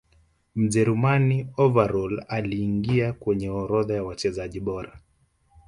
mjerumani overall aliingia kwenye orodha ya wachezaji bora